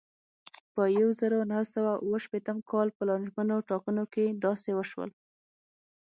د یوه زرو نهه سوه اوه شپېتم کال په لانجمنو ټاکنو کې داسې وشول.